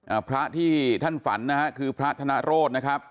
พระที่ท่านฝันนะฮะคือพระธนโรธนะครับ